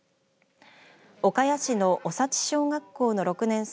岡谷市の長地小学校の６年生